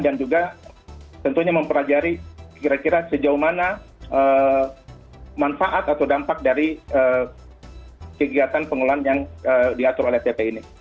dan juga tentunya memperlajari kira kira sejauh mana manfaat atau dampak dari kegiatan pengelolaan yang diatur oleh pp ini